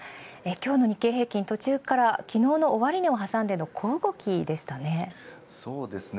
今日の日経平均、途中から昨日の終値をはさんでの小動きでしたね。